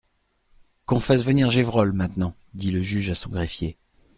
Qu'on fasse venir Gévrol, maintenant, dit le juge à son greffier.